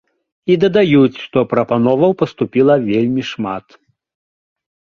І дадаюць, што прапановаў паступіла вельмі шмат.